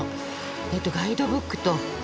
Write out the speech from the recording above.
えっとガイドブックっと。